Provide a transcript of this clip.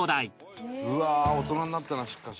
「うわ大人になったなしかし」